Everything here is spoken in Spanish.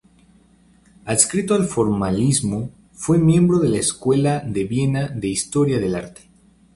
Adscrito al formalismo, fue miembro de la Escuela de Viena de Historia del Arte.